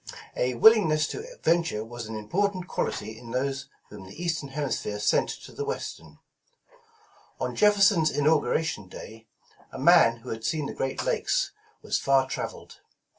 A willingness to venture was an important quality in those whom the eastern hemisphere sent to the west em. On Jefferson 's Inauguration Day, a man who had seen the Great Lakes was far traveled.